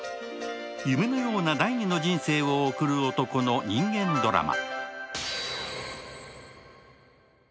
夢のような第二の人生を送る男の人間ドラマ。